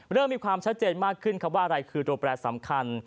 เริ่มมีความชัดเจนมากขึ้นครับว่าอะไรคือตัวแปรสำคัญ